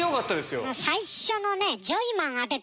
最初のね。